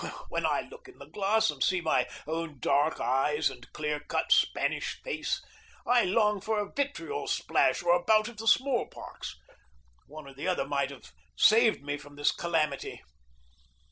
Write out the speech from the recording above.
Ah, when I look in the glass and see my own dark eyes and clear cut Spanish face, I long for a vitriol splash or a bout of the small pox. One or the other might have saved me from this calamity.